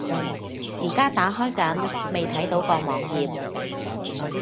而家打開緊，未睇到個網頁￼